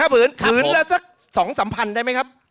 ผืนผืนละสัก๒๓พันได้ไหมครับ